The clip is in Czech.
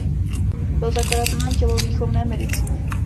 Byl zakladatelem tělovýchovné medicíny.